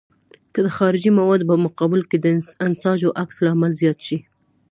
که د خارجي موادو په مقابل کې د انساجو عکس العمل زیات شي.